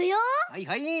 はいはい。